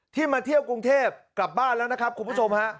มาเที่ยวกรุงเทพกลับบ้านแล้วนะครับคุณผู้ชมฮะ